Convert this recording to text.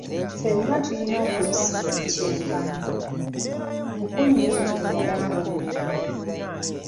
"Ffenna tulina okuyisibwa ekyenkanyi,” Nkunyingi bwe yalambuludde.